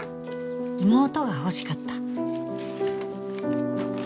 妹が欲しかった